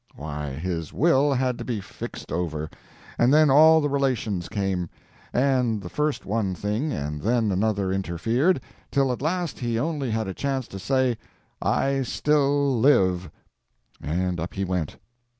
Why, his will had to be fixed over; and then all the relations came; and first one thing and then another interfered, till at last he only had a chance to say, "I still live," and up he went.